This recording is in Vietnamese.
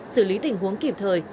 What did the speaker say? xử lý tình huống kịp thời